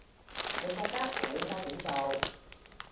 你覺得我應該點做